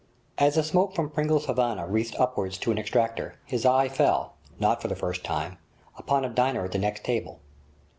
As the smoke from Pringle's havana wreathed upwards to an extractor, his eye fell, not for the first time, upon a diner at the next table.